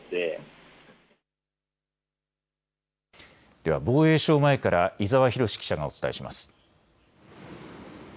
では防衛省前から伊沢浩志記者がお伝えします。